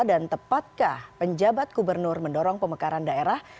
dan tepatkah penjabat gubernur mendorong pemekaran daerah